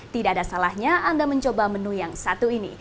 tidak ada salahnya anda mencoba menu yang satu ini